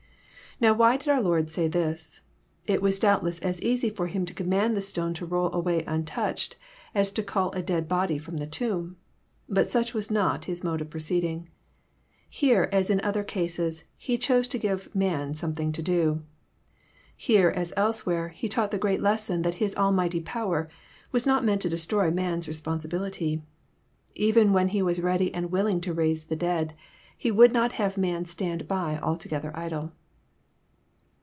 Now why did oar Lord say this? It was doubtless as easy for Him to command the stone to roll away nn toQched as to call a dead body from the tomb. Bat sach was not His mode of proceeding. Here, as in other cases. He chose to give man something to do. Here, as elsewhere. He taught the great lesson that His almighty power was not meant to destroy man's responsibility. Even when He was ready and willing to raise the dead, He would not have man stand by altc^ther idle.